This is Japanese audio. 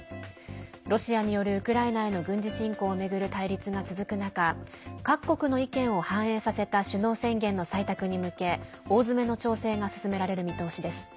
ロシアによるウクライナへの軍事侵攻を巡る対立が続く中各国の意見を反映させた首脳宣言の採択に向け大詰めの調整が進められる見通しです。